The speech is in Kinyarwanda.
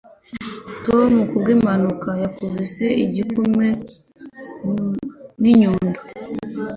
Tom ku bw'impanuka yakubise igikumwe n'inyundo.